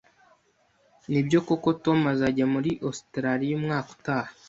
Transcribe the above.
Nibyo koko Tom azajya muri Ositaraliya umwaka utaha?